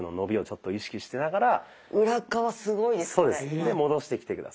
で戻してきて下さい。